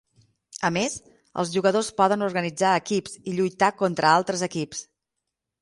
A més, els jugadors poden organitzar equips i lluitar contra altres equips.